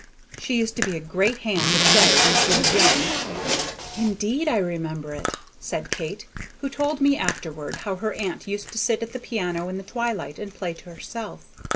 She used to be a great hand to play when she was young." "Indeed I remember it," said Kate, who told me afterward how her aunt used to sit at the piano in the twilight and play to herself.